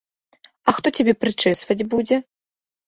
А хто цябе прычэсваць будзе?